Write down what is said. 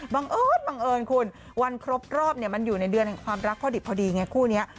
บังเอิญบังเอิญคุณวันครบรอบมันอยู่ในเดือนแห่งความรักพอดิบพอดีไงคู่นี้